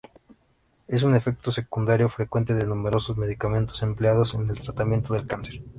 Es un efecto secundario frecuente de numerosos medicamentos empleados en el tratamiento del cáncer.